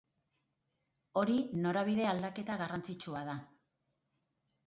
Hori norabide aldaketa garrantzitsua da.